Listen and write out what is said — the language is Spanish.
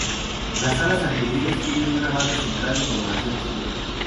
Las alas anteriores tienen una banda central de coloración oscura.